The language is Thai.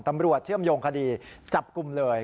ตำรวจเชื่อมโยงคดีจับกลุ่มเลย